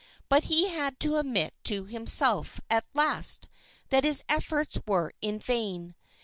But he had to admit to himself at last that his efforts were in vain.